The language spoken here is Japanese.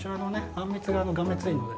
あんみつががめついので。